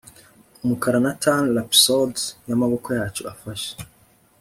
umukara-na-tan rhapsody y'amaboko yacu afashe